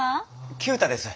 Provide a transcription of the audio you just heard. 九太です。